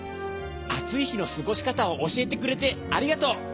あついひのすごしかたをおしえてくれてありがとう。